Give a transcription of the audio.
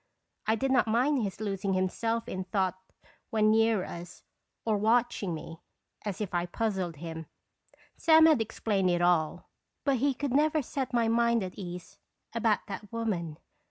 I did not mind his losing himself in thought when near us, or watching me, as if I puzzled him. Sam had explained it all, but Beronfc (Earfc tDins." 237 he could never set my mind at ease about that woman.